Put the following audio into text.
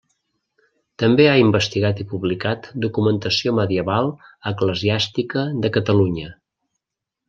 També ha investigat i publicat documentació medieval eclesiàstica de Catalunya.